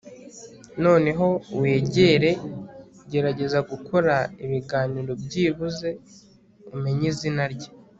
noneho wegere gerageza gukora ibiganiro byibuze umenye izina rye